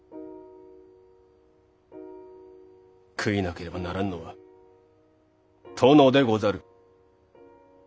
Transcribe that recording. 悔いなければならんのは殿でござる。